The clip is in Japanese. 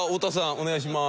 お願いします。